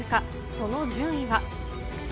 その順位は。